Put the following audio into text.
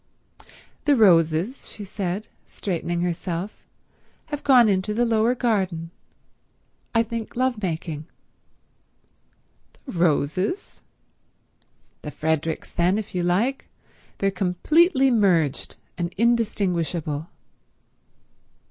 .." "The Roses," she said, straightening herself, "have gone into the lower garden—I think lovemaking." "The Roses?" "The Fredericks, then, if you like. They're completely merged and indistinguishable."